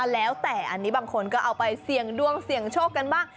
แล้วแต่อันนี้บางคนก็เอาไปเสี่ยงดวงเสี่ยงโชคกันบ้าง